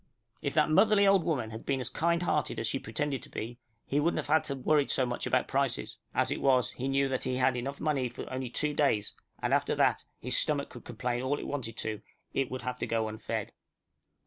If that motherly old woman had been as kind hearted as she pretended to be, he wouldn't have had to worry so much about prices. As it was, he knew that he had money enough for only two days, and after that his stomach could complain all it wanted to, it would have to go unfed.